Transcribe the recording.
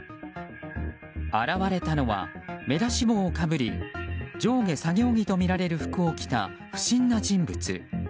現れたのは、目出し帽をかぶり上下作業着とみられる服を着た不審な人物。